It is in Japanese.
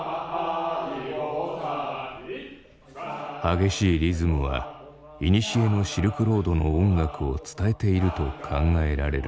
激しいリズムはいにしえのシルクロードの音楽を伝えていると考えられる。